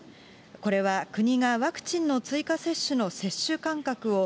これは国がワクチンの追加接種の接種間隔を、